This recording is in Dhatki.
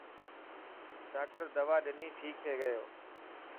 ڊاڪٽر دوا ڏني ٺيڪ ٿي گيو.